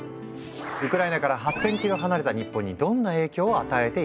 ウクライナから８，０００ｋｍ離れた日本にどんな影響を与えているのか。